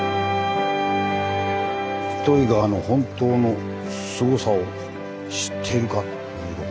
「糸魚川の本当のすごさを知っているか？」ということでした。